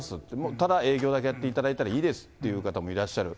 ただ営業だけやっていただいたらいいですっていう方もいらっしゃる。